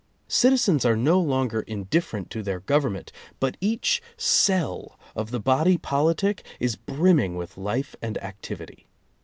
Citizens are no longer indifferent to their Govern ment, but each cell of the body politic is brimming with life and activity.